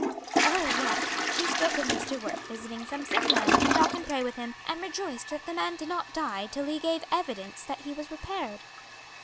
"Oh, yes, she spoke of Mr. Wert visiting some sick man, to talk and pray with him, and rejoiced that the man did not die till he gave evidence that he was repaired."